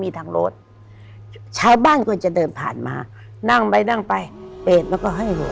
ทางรถชายบ้านก็จะเดินผ่านมานั่งไปนั่งไปเปรตมันก็ให้หัว